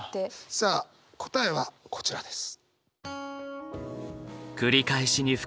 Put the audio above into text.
さあ答えはこちらです。